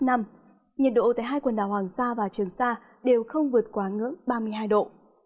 nhiệt độ tại hai quần đảo hoàng sa và trường sa đều không vượt quá ngưỡng ba mươi hai độ